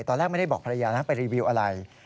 ตอนแรกไม่ได้บอกภรรยานะไปรีวิวอะไร